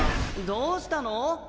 どうしたの？